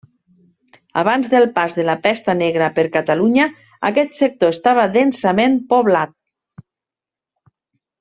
Abans del pas de la Pesta Negra per Catalunya aquest sector estava densament poblat.